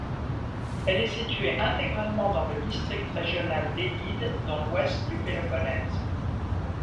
Elle est située intégralement dans le district régional d'Élide, dans l'ouest du Péloponnèse.